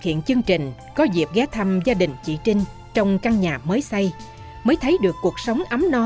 hiện chương trình có dịp ghé thăm gia đình chị trinh trong căn nhà mới xây mới thấy được cuộc sống ấm no của dân và người dân